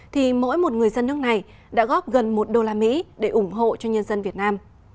thì mỗi một người dân nước này đã góp gần một usd để ủng hộ cho nhân dân việt nam